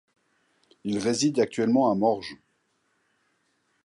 Il réside actuellement à Morges.